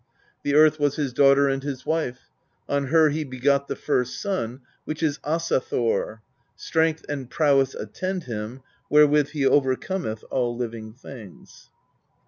The Earth was his daughter and his wife; on her he begot the first son, which is Asa Thor : strength and prowess attend him, wherewith he overcometh all living things.